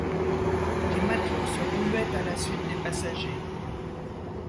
Les matelots se ruaient à la suite des passagers.